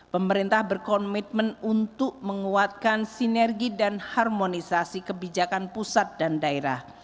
pemerintah berkomitmen untuk menguatkan sinergi dan harmonisasi kebijakan pusat dan daerah